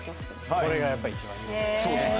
これがやっぱり一番有名そうですね